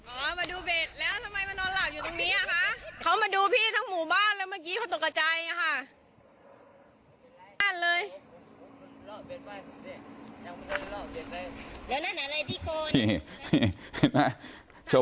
เขามาดูพี่ทั้งหมู่บ้านแล้วเมื่อกี้เขาตกใจอ่ะค่ะ